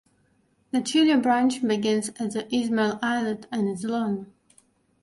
The Chilia branch begins at the Ismail Islet, and is long.